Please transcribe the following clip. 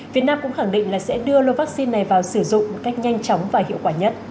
việt nam cũng khẳng định là sẽ đưa lô vaccine này vào sử dụng một cách nhanh chóng và hiệu quả nhất